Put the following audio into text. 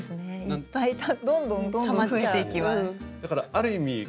いっぱいどんどんどんどん増えていきます。